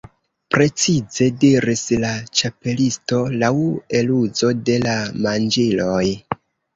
"Precize," diris la Ĉapelisto, "laŭ eluzo de la manĝiloj."